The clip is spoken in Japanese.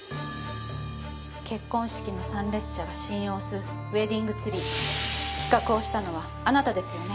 結婚式の参列者が指印を押すウェディングツリー企画をしたのはあなたですよね？